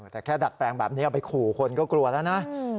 แต่แค่ดัดแปลงแบบนี้เอาไปขู่คนก็กลัวแล้วนะ